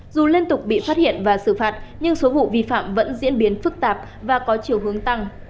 dù liên tục bị phát hiện và xử phạt nhưng số vụ vi phạm vẫn diễn biến phức tạp và có chiều hướng tăng